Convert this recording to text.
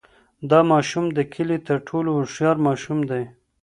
دا ماشوم د کلي تر ټولو هوښیار ماشوم دی.